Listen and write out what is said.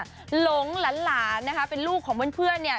หลงหลานนะคะเป็นลูกของเพื่อนเนี่ย